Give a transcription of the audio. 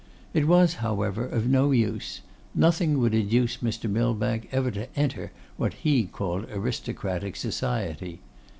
It was, however, of no use; nothing would induce Mr. Millbank ever to enter what he called aristocratic society.